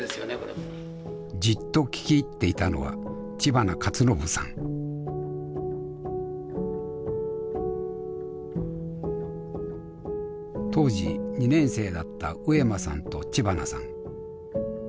じっと聞き入っていたのは当時２年生だった上間さんと知花さん。